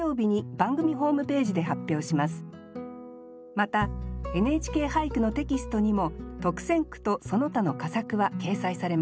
また「ＮＨＫ俳句」のテキストにも特選句とその他の佳作は掲載されます。